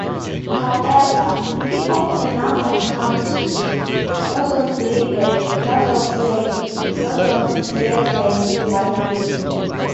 However, he owned a number of counties: Nassau-Dillenburg, Nassau-Siegen, Nassau-Dietz and Vianden.